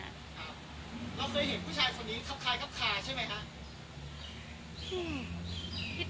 อ้าวแล้วเคยเห็นผู้ชายคนนี้ขับคลายขับขาใช่ไหมคะ